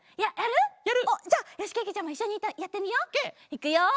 いくよ！